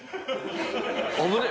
危ねえ！